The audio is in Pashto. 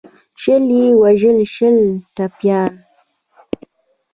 شل یې ووژل شل ټپیان.